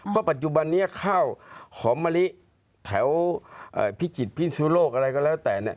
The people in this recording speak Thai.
ก็ปัจจุบันนี้ข้าวหอมมะลิแถวพิจิตรพิสุโลกอะไรก็แล้วแต่เนี่ย